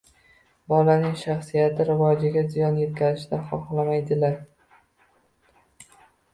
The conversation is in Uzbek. Bolaning shaxsiyati rivojiga ziyon yetkazishni xohlamaydigan ota-onalar